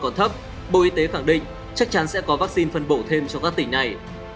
còn thấp bộ y tế khẳng định chắc chắn sẽ có vaccine phân bổ thêm cho các tỉnh này